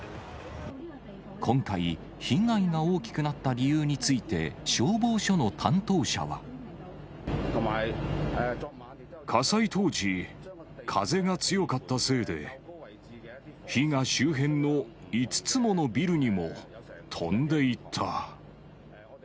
今回、被害が大きくなった理由について、火災当時、風が強かったせいで火が周辺の５つものビルにも飛んでいった。